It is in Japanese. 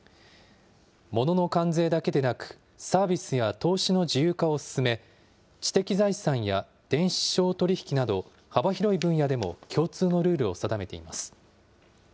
ものの関税だけでなく、サービスや投資の自由化を進め、知的財産や電子商取引など、幅広い分野でも共通のルールを定めています。